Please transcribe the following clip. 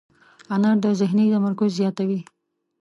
انار د ذهني تمرکز زیاتوي.